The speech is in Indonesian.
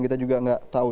kita juga nggak tahu